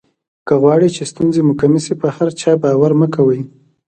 که غواړی چې ستونزې مو کمې شي په هر چا باور مه کوئ.